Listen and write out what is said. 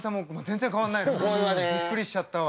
びっくりしちゃったわ。